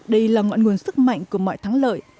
đây là ngọn nguồn sức mạnh của mọi thắng lợi